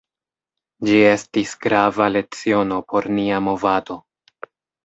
Ĝi estis grava leciono por nia movado.